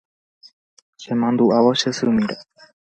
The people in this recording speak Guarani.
Chemandu'ávo che symíre